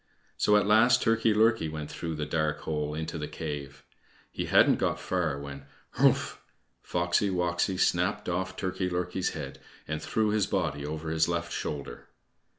So at last Turkey lurkey went through the dark hole into the cave. He hadn't got far when "Hrumph!" Foxy woxy snapped off Turkey lurkey's head and threw his body over his left shoulder.